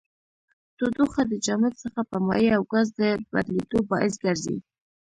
تودوخه د جامد څخه په مایع او ګاز د بدلیدو باعث ګرځي.